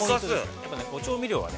◆やっぱり調味料はね